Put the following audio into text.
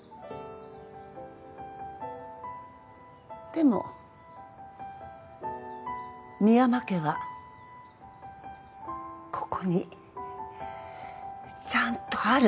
でも深山家はここにちゃんとある。